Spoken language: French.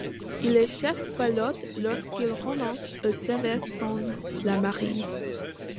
Il est chef pilote lorsqu'il renonce au service dans la marine.